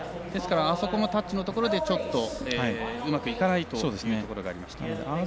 ですからあそこもタッチのところでうまくいかないところがありました。